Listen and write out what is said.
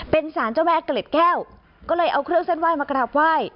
เป็นสารเจ้าแม่เกล็ดแก้วก็เลยเอาเครื่องเส้นไหว้มากราบไหว้